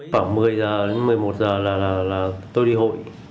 vào một mươi h đến một mươi một h là tôi đi hội